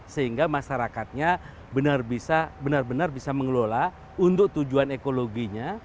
sehingga masyarakatnya benar benar bisa mengelola untuk tujuan ekologinya